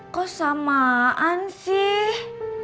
kok samaan sih